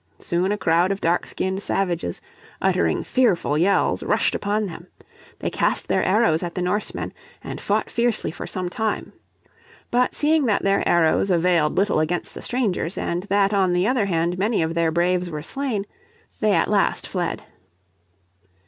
Soon a crowd of dark skinned savages, uttering fearful yells, rushed upon them. They cast their arrows at the Norsemen, and fought fiercely for some time. But seeing that their arrows availed little against the strangers, and that on the other hand many of their braves were slain, they at last fled.